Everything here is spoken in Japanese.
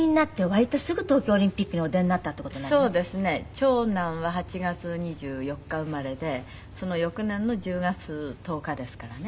長男は８月２４日生まれでその翌年の１０月１０日ですからね。